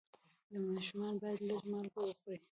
ماشومان باید لږ مالګه وخوري.